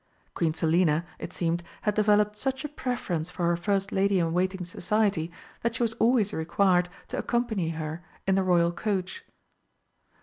Queen Selina, it seemed, had developed such a preference for her first lady in waiting's society that she was always required to accompany her in the Royal coach.